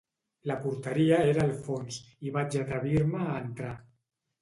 La porteria era al fons, i vaig atrevir-me a entrar.